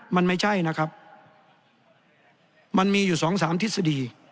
มันไม่ใช่นะครับมันมีอยู่สองสามทฤษฎี